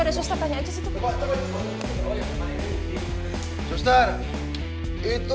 itu ada sustar tanya aja situ